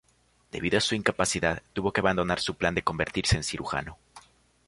Debido a su incapacidad, tuvo que abandonar su plan de convertirse en cirujano.